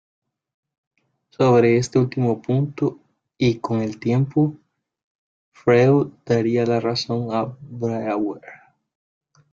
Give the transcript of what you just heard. Sobre este último punto, y con el tiempo, Freud daría la razón a Breuer.